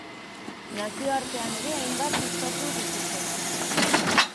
Nazioartean ere hainbat hitzordu dituzte.